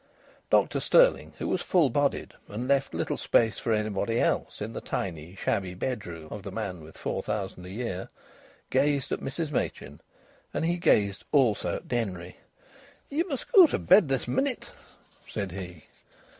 Dr Stirling, who was full bodied and left little space for anybody else in the tiny, shabby bedroom of the man with four thousand a year, gazed at Mrs Machin, and he gazed also at Denry. "Ye must go to bed this minute," said he.